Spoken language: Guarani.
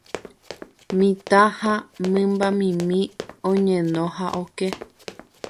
mitã ha mymbamimi oñeno ha oke